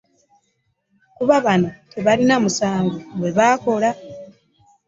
Kuba bano tebalina musango gwe baakola